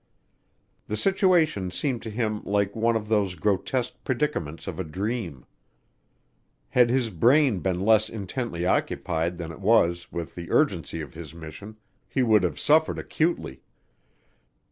The situation seemed to him like one of those grotesque predicaments of a dream. Had his brain been less intently occupied than it was with the urgency of his mission, he would have suffered acutely.